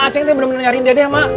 aceh ini bener bener nyariin dedek mak